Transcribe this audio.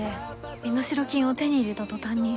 身代金を手に入れた途端に。